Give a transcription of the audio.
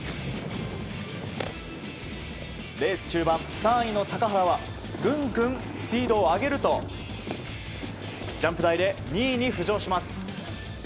レース中は、３位の高原はぐんぐんスピードを上げるとジャンプ台で２位に浮上します。